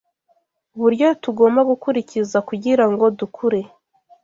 uburyo tugomba gukurikiza kugira ngo dukure